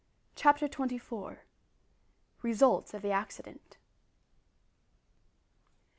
CHAPTER TWENTY FOUR. RESULTS OF THE ACCIDENT.